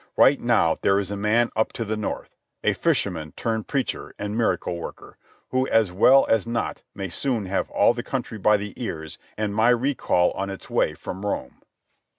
Right now there is a man up to the north, a fisherman turned preacher, and miracle worker, who as well as not may soon have all the country by the ears and my recall on its way from Rome."